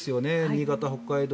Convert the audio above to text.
新潟、北海道。